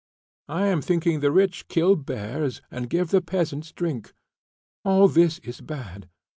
I am thinking the rich kill bears and give the peasants drink; all this is bad.